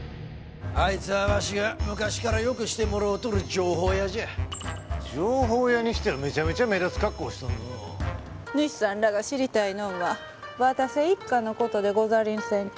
あいつはわしが昔からよくしてもろうとる情報屋じゃ・情報屋にしてはめちゃめちゃ目立つ格好をしとるのうにいさんらが知りたいのんは渡瀬一家のことでござりんせんか？